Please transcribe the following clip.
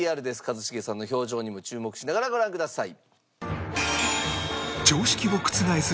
一茂さんの表情にも注目しながらご覧ください。